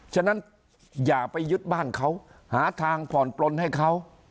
ฉะนั้นอย่าไปยึดบ้านเขาหาทางผ่อนปลนให้เขา